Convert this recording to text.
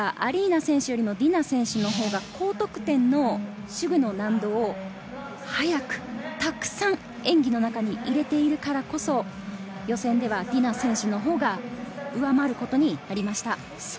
アリーナ選手よりもディナ選手のほうが高得点の手具の難度を早くたくさん演技の中に入れているからこそ、予選ではディナ選手のほうが上回ることになりました。